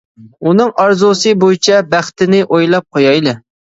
ئۇنىڭ ئارزۇسى بويىچە بەختىنى ئويلاپ قويايلى.